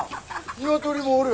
ニワトリもおる！